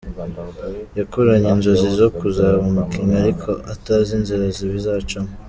Yakuranye inzozi zo kuzaba umukinnyi ariko atazi inzira bizacamo.